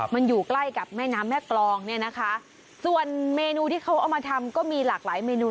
มันอยู่ใกล้กับแม่น้ำแม่กรองเนี่ยนะคะส่วนเมนูที่เขาเอามาทำก็มีหลากหลายเมนู